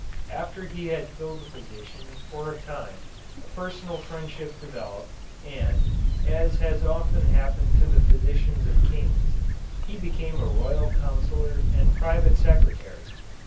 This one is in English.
After he had filled the position for a time a personal friendship developed, and, as has often happened to the physicians of kings, he became a royal counsellor and private secretary.